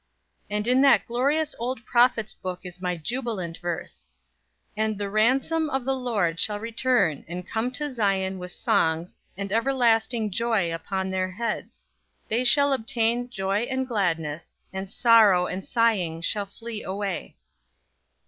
And in that glorious old prophet's book is my jubilant verse 'And the ransomed of the Lord shall return and come to Zion with songs and everlasting joy upon their heads; they shall obtain joy and gladness, and sorrow and sighing shall flee away.'"